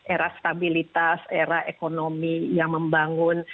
era stabilitas era ekonomi yang membangun